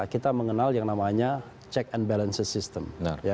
kita mengenal yang namanya check and balance system